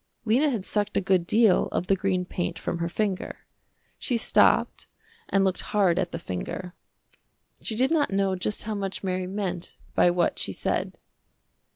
Lena had sucked a good deal of the green paint from her finger. She stopped and looked hard at the finger. She did not know just how much Mary meant by what she said.